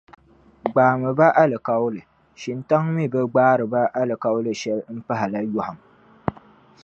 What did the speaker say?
Gbaami ba alikauli, shintaŋ mi bi gbaari ba alikauli shɛli m-pahila yɔhim.